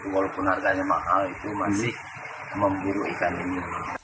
walaupun harganya mahal itu masih memburu ikan ini